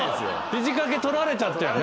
肘掛け取られちゃったよね。